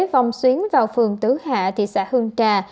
vòng xuyến vào phường tứ hạ thị xã hương trà